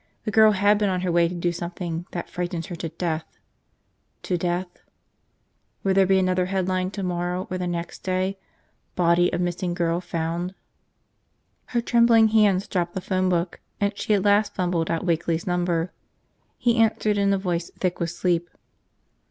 The girl had been on her way to do something that frightened her to death. .... To death? Would there be another headline tomorrow or the next day, "Body of Missing Girl Found. ..?" Her trembling hands dropped the phone book, and she at last fumbled out Wakeley's number. He answered in a voice thick with sleep.